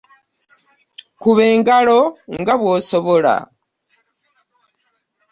Kuba engalo nga bwosobola.